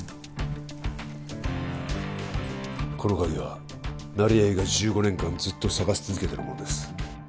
この鍵は成合が１５年間ずっと探し続けてるものです